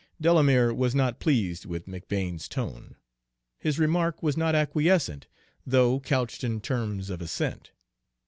Delamere was not pleased with McBane's tone. His remark was not acquiescent, though couched in terms of assent.